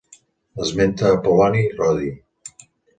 L'esmenta Apol·loni Rodi.